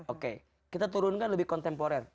oke kita turunkan lebih kontemporer